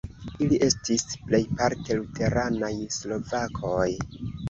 Ili estis plejparte luteranaj slovakoj.